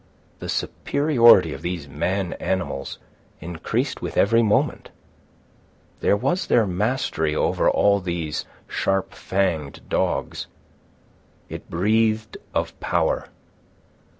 The superiority of these man animals increased with every moment. There was their mastery over all these sharp fanged dogs. It breathed of power.